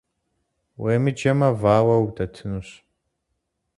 Уемыджэмэ, вауэу удэтынщ.